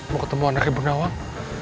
mau ketemu anak ibu nawang